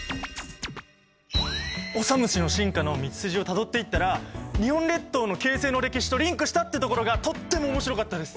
オサムシの進化の道筋をたどっていったら日本列島の形成の歴史とリンクしたってところがとっても面白かったです！